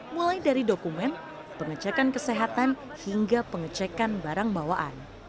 mulai dari dokumen pengecekan kesehatan hingga pengecekan barang bawaan